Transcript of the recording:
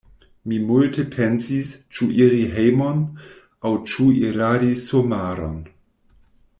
Mi multe pensis; ĉu iri hejmon, aŭ ĉu iradi surmaron.